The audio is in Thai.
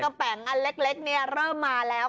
กระแป่งอันเล็กอันเล็กเริ่มมาแล้ว